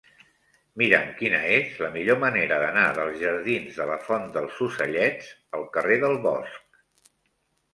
Mira'm quina és la millor manera d'anar dels jardins de la Font dels Ocellets al carrer del Bosc.